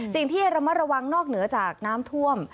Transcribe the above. สิ่งที่ระมัดระวังนอกเหนือจากน้ำท่วม